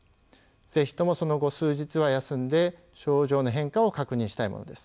是非ともその後数日は休んで症状の変化を確認したいものです。